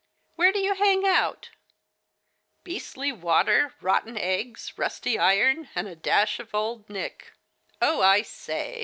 Where do you hang out ? Beastly water, rotten eggs, rusty iron, and a dash of old Nick. Oh, I say